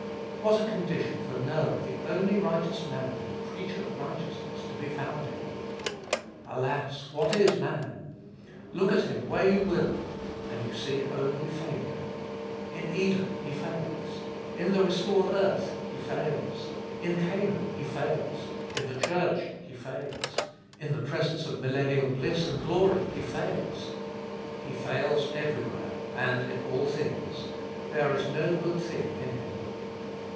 What a condition for Noah, the only righteous man, the preacher of righteousness, to be found in! Alas! what is man? Look at him where you will, and you see only failure. In Eden, he fails; in the restored earth, he fails; in Canaan, he fails; in the Church, he fails; in the presence of millennial bliss and glory, he fails. He fails everywhere, and in all things: there is no good thing in him.